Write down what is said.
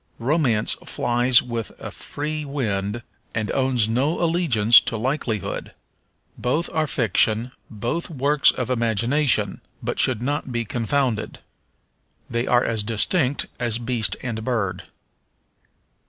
Romance flies with a free wing and owns no allegiance to likelihood. Both are fiction, both works of imagination, but should not be confounded. They are as distinct as beast and bird.